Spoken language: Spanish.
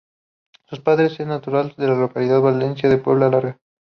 Su padre es natural de la localidad valenciana de Puebla Larga.